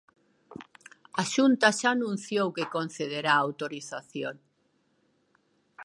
A Xunta xa anunciou que concederá a autorización.